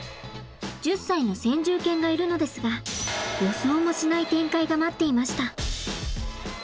１０歳の先住犬がいるのですが予想もしない展開が待っていました。